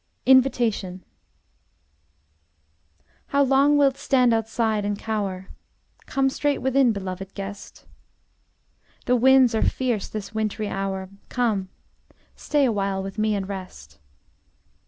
INVITATION How long wilt stand outside and cower? Come straight within, beloved guest. The winds are fierce this wintry hour: Come, stay awhile with me and rest.